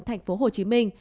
thành phố hồ chí minh